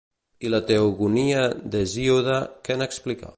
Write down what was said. I la Teogonia d'Hesíode què n'explica?